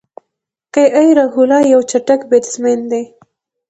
کی ایل راهوله یو چټک بیټسمېن دئ.